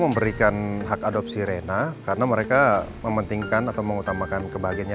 memberikan hak adopsi rena karena mereka mementingkan atau mengutamakan kebahagiaannya